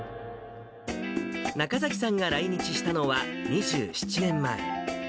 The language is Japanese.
中崎さんが来日したのは２７年前。